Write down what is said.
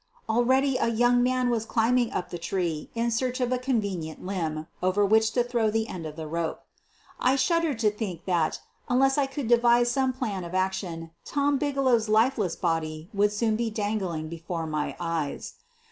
Already a young man was climbing up the tree in search of a convenient limb over which to throw the end of the rope. I shuddered to think that, unless I could devise 140 SOPHIE LYONS some plan of action, Tom Bigelow's lifeless body would soon be dangling before my eyes.